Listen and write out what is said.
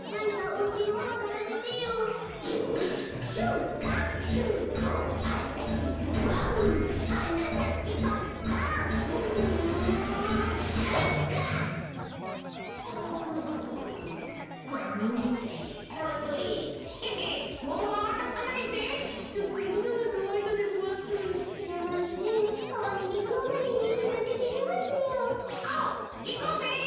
おういこうぜ！